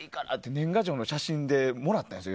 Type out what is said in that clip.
年賀状の写真でもらったんですよ